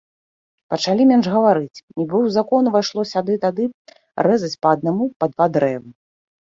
Пачалі менш гаварыць, нібы ў закон увайшло сяды-тады рэзаць па аднаму, па два дрэвы.